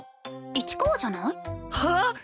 市川じゃない？はあ！？